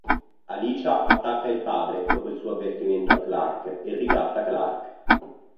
Alicia attacca il padre, dopo il suo avvertimento a Clark, e ricatta Clark.